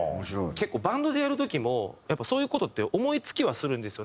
結構バンドでやる時もそういう事って思い付きはするんですよ。